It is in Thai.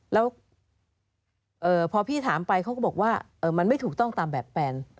แล้วพอพี่ถามไปเขาก็บอกว่ามันไม่ถูกต้องตามแบบแปล